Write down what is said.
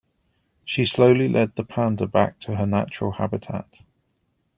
She slowly led the panda back to her natural habitat.